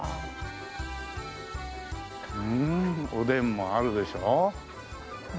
ふんおでんもあるでしょ。